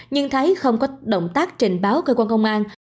nhưng thấy không có động tác trình báo cơ quan công an